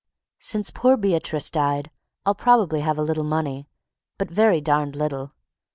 Since poor Beatrice died I'll probably have a little money, but very darn little.